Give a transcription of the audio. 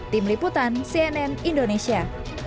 tim liputan cnn indonesia